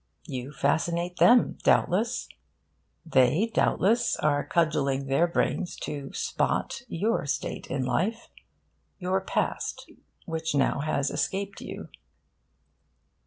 You fascinate them, doubtless. They, doubtless, are cudgelling their brains to 'spot' your state in life your past, which now has escaped you.